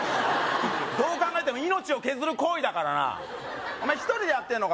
どう考えても命を削る行為だからなお前１人でやってんのか？